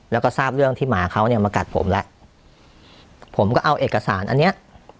แล้วก็ทราบเรื่องที่หมาเขาเนี่ยมากัดผมแล้วผมก็เอาเอกสารอันเนี้ย